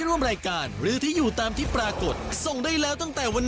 ออกพร้อมแล้วคุณผมครับไปหาผู้โชคดีกันเลย